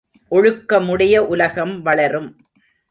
ஒழுக்கமுடைய உலகம் வளரும்!